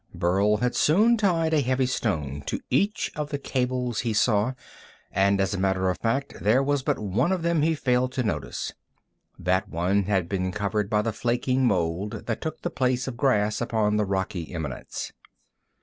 Burl had soon tied a heavy stone to each of the cables he saw, and as a matter of fact, there was but one of them he failed to notice. That one had been covered by the flaking mold that took the place of grass upon the rocky eminence.